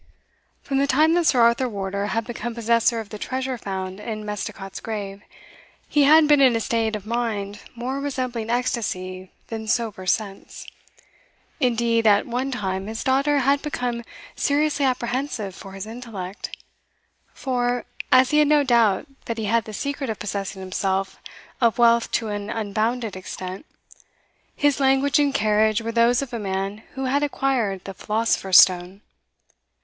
From the time that Sir Arthur Wardour had become possessor of the treasure found in Misticot's grave, he had been in a state of mind more resembling ecstasy than sober sense. Indeed, at one time his daughter had become seriously apprehensive for his intellect; for, as he had no doubt that he had the secret of possessing himself of wealth to an unbounded extent, his language and carriage were those of a man who had acquired the philosopher's stone.